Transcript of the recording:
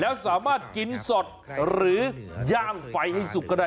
แล้วสามารถกินสดหรือย่างไฟให้สุกก็ได้